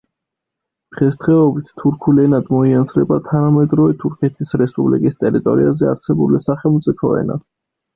დღესდღეობით თურქულ ენად მოიაზრება თანამედროვე თურქეთის რესპუბლიკის ტერიტორიაზე არსებული სახელმწიფო ენა.